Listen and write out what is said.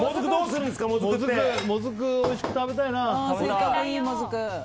もずく、おいしく食べたいな。